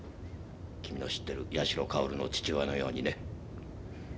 君の知ってる矢代かおるの父親のようにね。